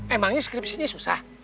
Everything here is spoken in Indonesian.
emangnya skripsinya susah